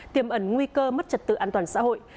tiềm ẩn nguy cơ mất trật tự an toàn xã hội